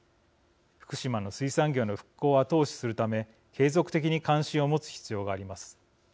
福島の水産業の復興を後押しするため継続的に関心を持つ必要があります。